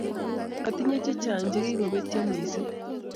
atinye chechang chegigopetyo missing